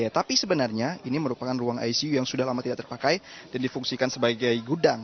tapi sebenarnya ini merupakan ruang icu yang sudah lama tidak terpakai dan difungsikan sebagai gudang